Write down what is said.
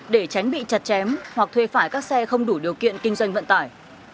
để tránh bị chặt chém hoặc thuê phải các xe không đủ điều kiện kinh doanh vận tải